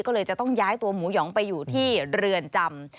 ก็เลยจะต้องย้ายตัวหมูหยองไปอยู่ที่เรือนจำ